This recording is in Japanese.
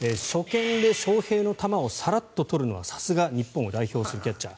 初見で翔平の球をサラッととるのはさすが日本を代表するキャッチャー。